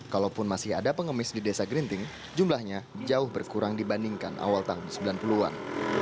kalaupun masih ada pengemis di desa gerinting jumlahnya jauh berkurang dibandingkan awal tahun sembilan puluh an